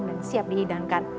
dan siap dihidangkan